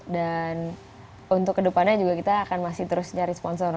dan untuk kedepannya juga kita akan masih terus nyari sponsor